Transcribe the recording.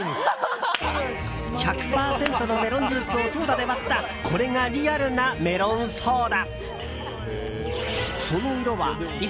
１００％のメロンジュースをソーダで割ったこれがリアルなメロンソーダ。